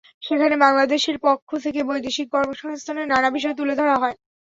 সেখানে বাংলাদেশের পক্ষ থেকে বৈদেশিক কর্মসংস্থানের নানা বিষয় তুলে ধরা হয়।